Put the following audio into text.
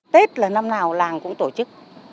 tết là năm nào làng cũng tổ chức